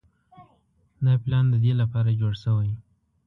دا پلان د دې لپاره جوړ شوی.